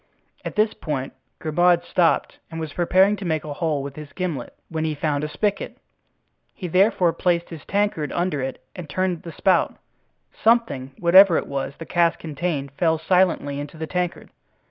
At this point Grimaud stopped and was preparing to make a hole with his gimlet, when he found a spigot; he therefore placed his tankard under it and turned the spout; something, whatever it was the cask contained, fell silently into the tankard.